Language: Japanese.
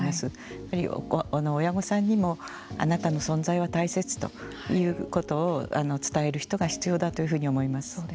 やっぱり親御さんにもあなたの存在は大切ということを伝える人が必要だというふうに思います。